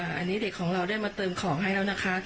อันนี้เด็กของเราได้มาเติมของให้แล้วนะคะ